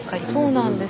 そうなんです。